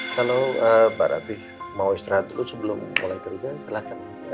kalau mbak ratih mau istirahat dulu sebelum mulai kerja silahkan